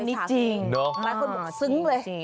อันนี้จริงหลายคนบอกซึ้งเลย